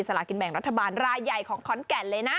ลากินแบ่งรัฐบาลรายใหญ่ของขอนแก่นเลยนะ